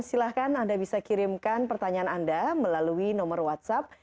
silahkan anda bisa kirimkan pertanyaan anda melalui nomor whatsapp